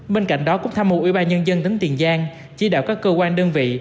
bên cạnh đó cũng tham mưu ủy ban nhân dân tỉnh tiền giang chỉ đạo các cơ quan đơn vị